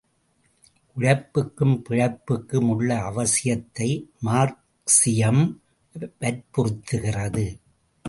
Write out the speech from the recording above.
உழைப்புக்கும் பிழைப்புக்கும் உள்ள அவசியத்தை மார்க்சியம் வற்புறுத்துகிறது.